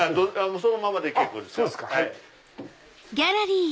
そのままで結構ですよ。